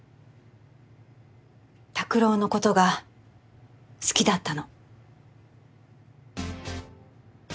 拓郎のことが好きだったの。